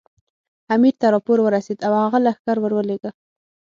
امیر ته راپور ورسېد او هغه لښکر ورولېږه.